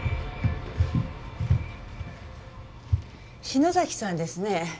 篠崎さんですね？